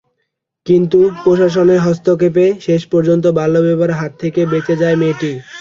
কিন্তু প্রশাসনের হস্তক্ষেপে শেষ পর্যন্ত বাল্যবিবাহের হাত থেকে বেঁচে যায় মেয়েটি।